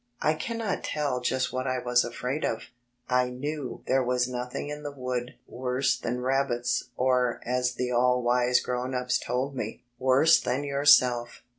I cannot tell just what I was afraid of. I knew there was nothing in the wood worse than rabbits or as the all wise grown ups told me "worse than yourself."